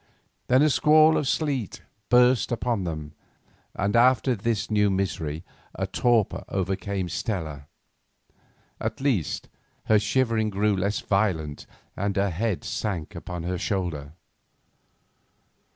Then a squall of sleet burst upon them, and after this new misery a torpor overcame Stella; at least, her shiverings grew less violent, and her head sank upon his shoulder.